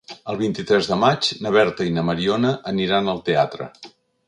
El vint-i-tres de maig na Berta i na Mariona aniran al teatre.